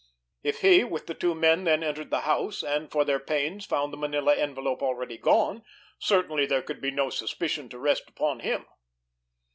If he with the two men then entered the house, and, for their pains, found the manila envelope already gone, certainly there could be no suspicion to rest upon him!